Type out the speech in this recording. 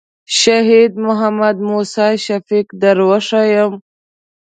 شهید محمد موسی شفیق در ښیم.